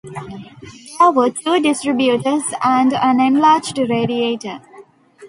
There were two distributors and an enlarged radiator.